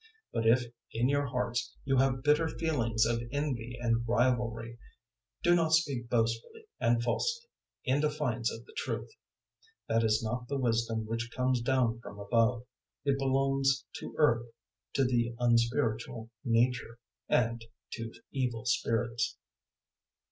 003:014 But if in your hearts you have bitter feelings of envy and rivalry, do not speak boastfully and falsely, in defiance of the truth. 003:015 That is not the wisdom which comes down from above: it belongs to earth, to the unspiritual nature, and to evil spirits.